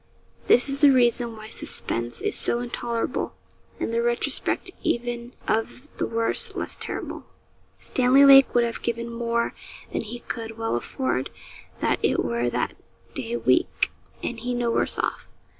This is the reason why suspense is so intolerable, and the retrospect even of the worst less terrible. Stanley Lake would have given more than he could well afford that it were that day week, and he no worse off.